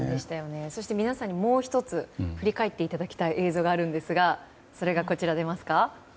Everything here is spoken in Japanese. そして皆さんにもう１つ振り返っていただきたい映像があるんですがそれがこちら。